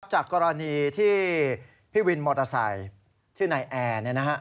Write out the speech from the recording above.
จากกรณีที่พี่วินมอเตอร์ไซค์ชื่อนายแอร์